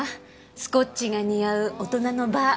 スコッチが似合う大人のバー。